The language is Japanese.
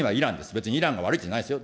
別にイランが悪いってわけじゃないですよ。